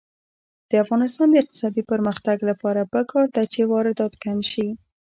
د افغانستان د اقتصادي پرمختګ لپاره پکار ده چې واردات کم شي.